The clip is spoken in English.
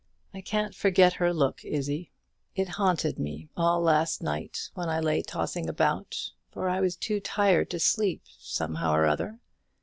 I can't forget her look, Izzie. It haunted me all last night, when I lay tossing about; for I was too tired to sleep, somehow or other.